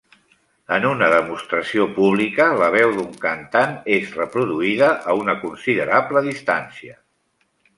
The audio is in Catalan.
En una demostració pública, la veu d'un cantant és reproduïda a una considerable distància.